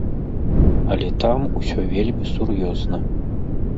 Але там усё вельмі сур'ёзна.